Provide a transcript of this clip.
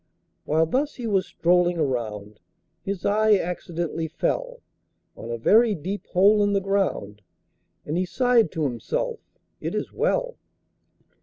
While thus he was strolling around, His eye accidentally fell On a very deep hole in the ground, And he sighed to himself, "It is well!"